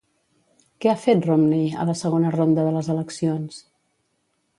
Què ha fet Romney a la segona ronda de les eleccions?